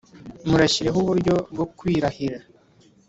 murashyireho uburyo bwo kwirahira